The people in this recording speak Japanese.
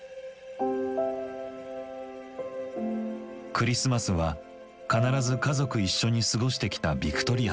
クリスマスは必ず家族一緒に過ごしてきたヴィクトリヤさん。